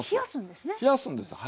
冷やすんですね？